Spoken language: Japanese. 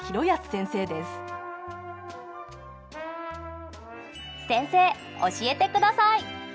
先生教えてください！